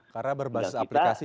karena berbasis aplikasi